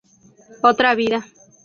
Otra vida